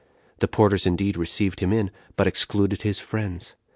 The porters indeed received him in, but excluded his friends.